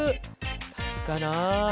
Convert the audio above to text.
立つかな？